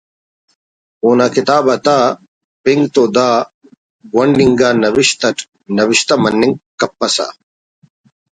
اونا کتاب آتا پنک تو دا گونڈ انگا نوشت اٹ نوشتہ مننگ کپسہ